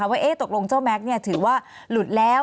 ว่าตกลงเจ้าแม็กซ์ถือว่าหลุดแล้ว